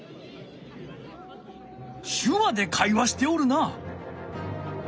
手話で会話しておるな。